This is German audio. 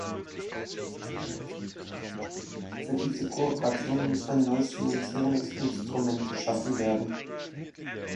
Für diese Kooperation muss ein neues Finanzierungsinstrument geschaffen werden.